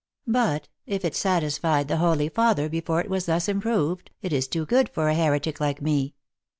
But, if it satisfied the holj r father before it was thus improved, it is too good for a heretic like me.